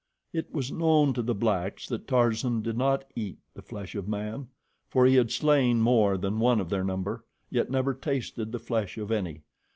It was known to the blacks that Tarzan did not eat the flesh of man, for he had slain more than one of their number, yet never tasted the flesh of any.